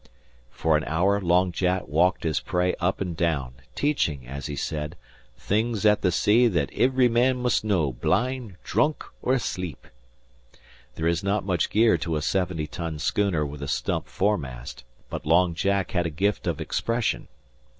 For an hour Long Jack walked his prey up and down, teaching, as he said, "things at the sea that ivry man must know, blind, dhrunk, or asleep." There is not much gear to a seventy ton schooner with a stump foremast, but Long Jack had a gift of expression.